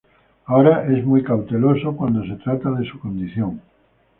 Ahora es muy cauteloso cuando se trata de su condición.